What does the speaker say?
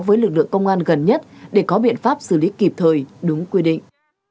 với lực lượng công an gần nhất để có biện pháp xử lý kịp thời đúng quy định